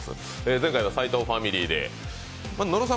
前回は斎藤ファミリーで、野呂さん